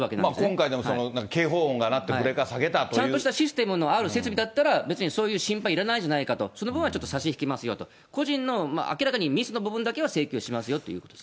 今回の警報音が鳴って、ちゃんとしたシステムのある設備だったら、別にそういう心配いらないじゃないかと、その分はちょっと差し引きますよと、個人の明らかにミスの部分だけは請求しますよということです。